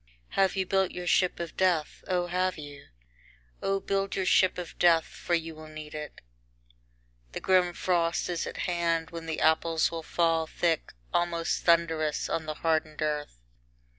II Have you built your ship of death, O have you? O build your ship of death, for you will need it. The grim frost is at hand, when the apples will fall thick, almost thundrous, on the hardened earth.